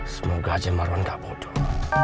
semoga aja semarwan gak bodoh